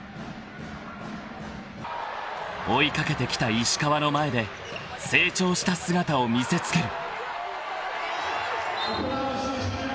［追い掛けてきた石川の前で成長した姿を見せつける］